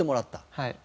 はい。